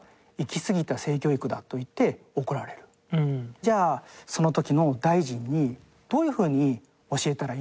じゃあその時の大臣に「どういうふうに教えたらいいんですか？」